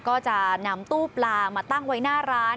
ก็จะนำตู้ปลามาตั้งไว้หน้าร้าน